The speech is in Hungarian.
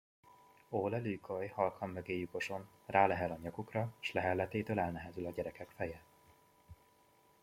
Ole Luköie halkan mögéjük oson, rálehel a nyakukra, s leheletétől elnehezül a gyerekek feje.